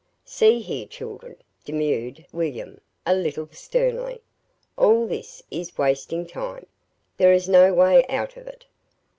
"See here, children," demurred William, a little sternly, "all this is wasting time. There is no way out of it.